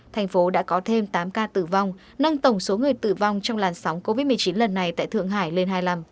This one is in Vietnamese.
thành phố đã có thêm tám ca tử vong nâng tổng số người tử vong trong làn sóng covid một mươi chín lần này tại thượng hải lên hai mươi năm